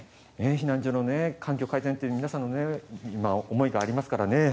避難所の環境改善って皆さんの思いがありますからね。